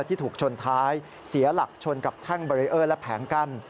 ที่ถูกชนท้ายเสียหลักชนกับแท่งเบรีเออร์และแผงกั้น